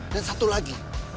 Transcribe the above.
dan satu lagi